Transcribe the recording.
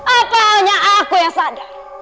apa hanya aku yang sadar